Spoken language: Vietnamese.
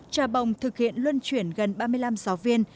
trà bồng thực hiện luân chuyển gần ba mươi năm giáo viên